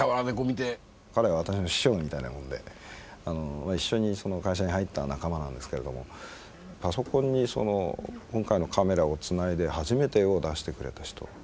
彼は私の師匠みたいなもんで一緒にその会社に入った仲間なんですけれどもパソコンに今回のカメラをつないで初めて絵を出してくれた人です。